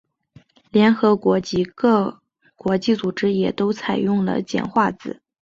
联合国及各国际组织也都采用了简化字。